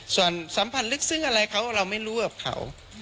ส่วนสัมพันธ์ลึกซึ้งอะไรเขาเราไม่รู้กับเขา